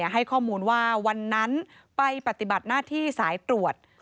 ให้ข้อมูลว่าวันนั้นไปปฏิบัติหน้าที่สายตรวจ